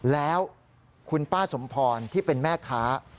แล้วคุณป้าสมพรที่เป็นแม่ค้า